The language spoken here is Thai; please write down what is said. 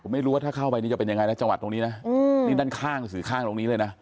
ไม่รู้ว่าถ้าเข้าไปนี่จะเป็นยังไงนะจังหวัดตรงนี้นะนี่ด้านข้างสื่อข้างตรงนี้เลยนะ